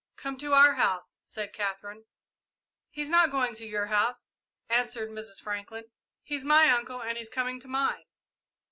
"Come to our house," said Katherine. "He's not going to your house," answered Mrs. Franklin. "He's my uncle, and he's coming to mine."